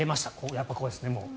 やっぱりこれですね。